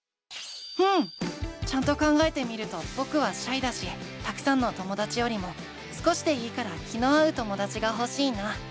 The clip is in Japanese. うん！ちゃんと考えてみるとぼくはシャイだしたくさんのともだちよりも少しでいいから気の合うともだちがほしいな。